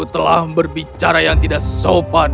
telah berbicara yang tidak sopan